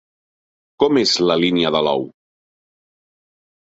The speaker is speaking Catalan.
Com és la línia de l'ou?